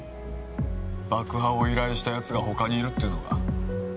爆破を依頼したやつが他にいるっていうのか？